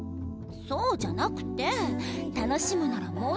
そうじゃなくて楽しむならもう少し奥で。